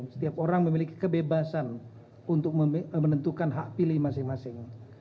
setiap orang memiliki kebebasan untuk menentukan hak pilih masing masing